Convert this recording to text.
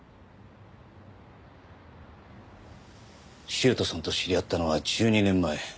修斗さんと知り合ったのは１２年前。